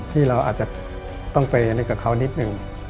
ที่เราอาจจะต้องไปนึกกับเขานิดนึง